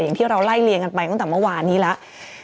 อย่างที่เราไล่เลี่ยงกันไปตั้งแต่เมื่อวานนี้แล้ว